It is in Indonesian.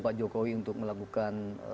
pak jokowi untuk melakukan